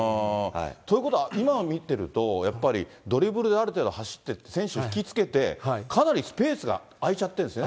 ということは、今見てると、やっぱりドリブルである程度、走って、選手を引き付けて、かなりスペースが空いちゃってるんですね。